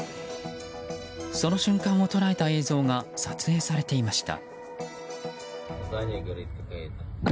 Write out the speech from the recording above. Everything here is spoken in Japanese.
その瞬間を捉えた映像が撮影されていました。